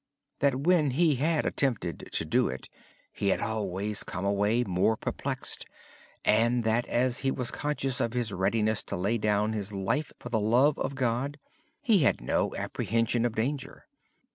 In the past, when he had attempted to do it, he had always come away more perplexed. Since Brother Lawrence was ready to lay down his life for the love of God, he had no apprehension of danger.